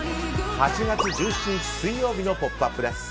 ８月１７日、水曜日の「ポップＵＰ！」です。